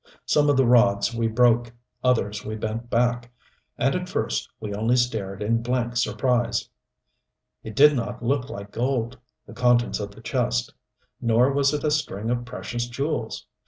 Some of the rods we broke, others we bent back. And at first we only stared in blank surprise. It did not look like gold the contents of the chest. Nor was it a string of precious jewels.